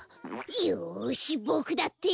よしボクだって！